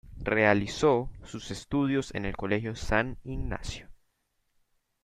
Realizó sus estudios en el Colegio San Ignacio.